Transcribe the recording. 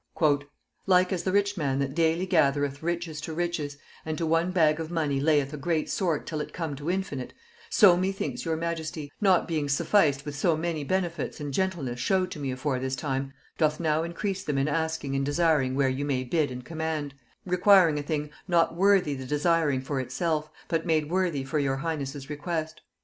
"Like as the rich man that daily gathereth riches to riches, and to one bag of money layeth a great sort till it come to infinite: so methinks your majesty, not being sufficed with so many benefits and gentleness shewed to me afore this time, doth now increase them in asking and desiring where you may bid and command; requiring a thing not worthy the desiring for itself, but made worthy for your highness' request.